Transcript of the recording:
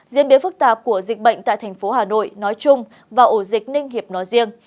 diễn biến phức tạp của dịch bệnh tại thành phố hà nội nói chung và ổ dịch ninh hiệp nói riêng